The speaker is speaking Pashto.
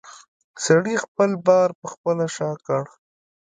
سړي خپل بار پخپله په شا کړ.